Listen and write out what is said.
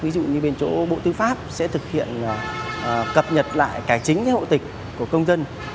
ví dụ như bên chỗ bộ tư pháp sẽ thực hiện cập nhật lại cái chính hộ tịch của công dân